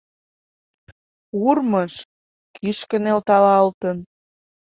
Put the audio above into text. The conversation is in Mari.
Урмыж, кӱшкӧ нӧлталалтын.